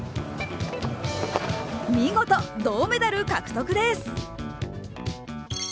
見事、銅メダル獲得です。